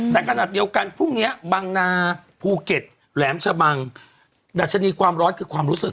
แต่ขนาดเดียวกันพรุ่งเนี้ยบังนาภูเก็ตแหลมชะบังดัชนีความร้อนคือความรู้สึก